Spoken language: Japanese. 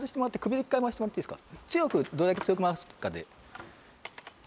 どれだけ強く回すかで。